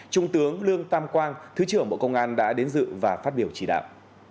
trung tướng lương tam quang thứ trưởng bộ công an đã đến dự và phát biểu chỉ đạo